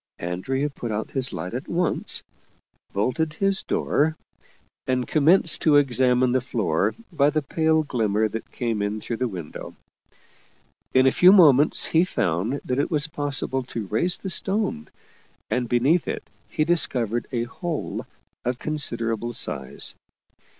Andrea put out his light at once, bolted his door, and commenced to examine the floor by the pale glimmer that came in through the window. In a few moments he found that it was possible to raise the stone, and beneath it he discovered a hole of considerable size.